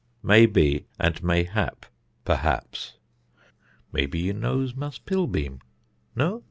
May be and Mayhap (Perhaps). "May be you knows Mass Pilbeam? No!